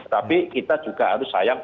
tapi kita juga harus sayang